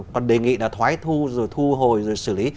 còn đề nghị là thoái thu rồi thu hồi rồi xử lý